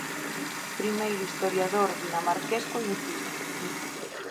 Primeiro historiador dinamarqués coñecido.